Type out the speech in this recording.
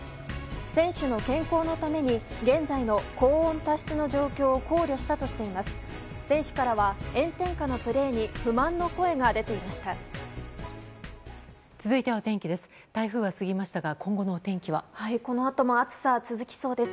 選手の健康のために、現在の高温多湿の状況を考慮したとしています。